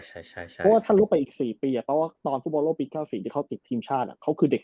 เพราะว่าถ้าลุกไปอีก๔ปีเพราะว่าตอนฟุตบอลโลกปี๙๔ที่เขาติดทีมชาติเขาคือเด็ก